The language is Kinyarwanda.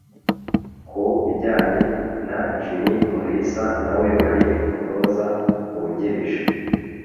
Ku bijyanye na Jimmy Mulisa nawe wari umutoza wungirije